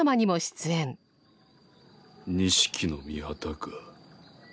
錦の御旗か。